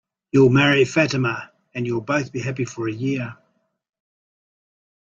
You'll marry Fatima, and you'll both be happy for a year.